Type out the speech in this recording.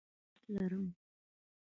زه ساعت لرم